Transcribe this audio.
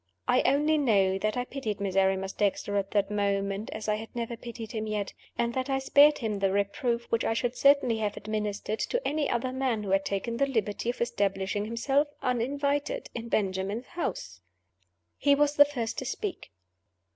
I only know that I pitied Miserrimus Dexter at that moment as I had never pitied him yet; and that I spared him the reproof which I should certainly have administered to any other man who had taken the liberty of establishing himself, uninvited, in Benjamin's house. He was the first to speak.